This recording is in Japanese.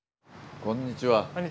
こんにちは！